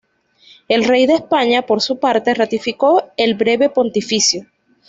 El rey de España, por su parte, ratificó el Breve Pontificio.